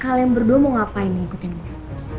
kalian berdua mau ngapain nih ikutin gue